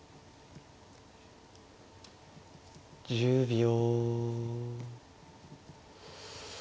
１０秒。